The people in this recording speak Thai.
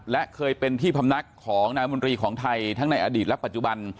และเคยเป็นที่พำนักของนายมนตรีของไทยทั้งในอดีตและปัจจุบัน